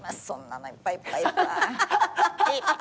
そんなのいっぱいいっぱいいっぱい。